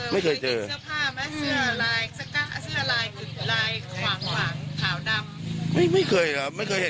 ไม่เคยเจอครับไม่เคยเจอ